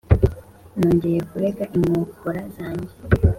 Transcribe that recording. Nongeye kurega inkokora zanjye